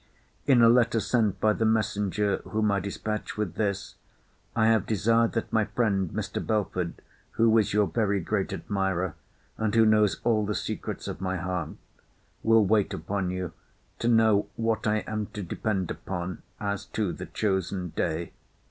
In a letter sent by the messenger whom I dispatch with this, I have desired that my friend, Mr. Belford, who is your very great admirer, and who knows all the secrets of my heart, will wait upon you, to know what I am to depend upon as to the chosen day.